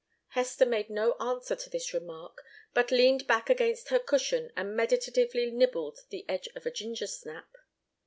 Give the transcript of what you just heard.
Hester made no answer to this remark, but leaned back against her cushion and meditatively nibbled the edge of a ginger snap.